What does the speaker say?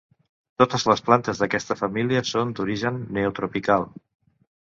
Totes les plantes d'aquesta família són d'origen neotropical.